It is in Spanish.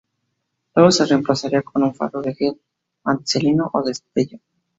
Luego se reemplazaría con un faro de gas acetileno a destello.